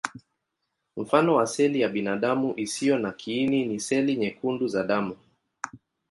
Mfano wa seli ya binadamu isiyo na kiini ni seli nyekundu za damu.